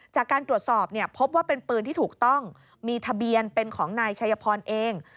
จากการตรวจสอบเนี่ยพบว่าเป็นปืนที่ถูกต้องมีทะเบียนเป็นของนายชัยพรเอง